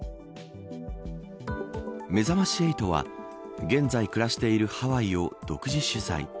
めざまし８は現在、暮らしているハワイを独自取材。